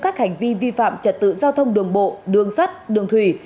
các hành vi vi phạm trật tự giao thông đường bộ đường sắt đường thủy